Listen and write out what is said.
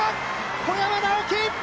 小山直城！